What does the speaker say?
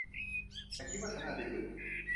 ฉันคิดว่าฉันอาจจะหยุด